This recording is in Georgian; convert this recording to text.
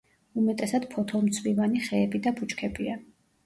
უმეტესად ფოთოლმცვივანი ხეები და ბუჩქებია.